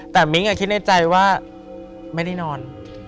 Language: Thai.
แต่มิ้งคิดในใจว่าไม่ได้นอน